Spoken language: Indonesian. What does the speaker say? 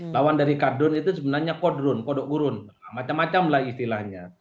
lawan dari kadrun itu sebenarnya kodrun kodok gurun macam macamlah istilahnya